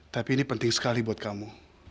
tapi ini penting sekali buat kamu